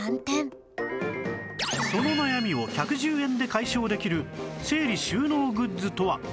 その悩みを１１０円で解消できる整理収納グッズとは？